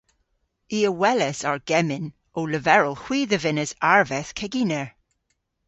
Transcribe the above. I a welas argemmyn ow leverel hwi dhe vynnes arveth keginer.